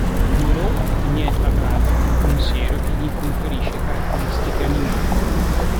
Moreau inietta a Braddock un siero che gli conferisce caratteristiche animali.